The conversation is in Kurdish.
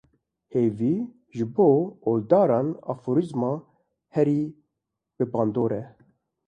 Hêvî, ji bo oldaran aforîzma herî bibandor e.